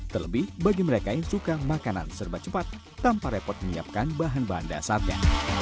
terlebih bagi mereka yang suka makanan serba cepat tanpa repot menyiapkan bahan bahan dasarnya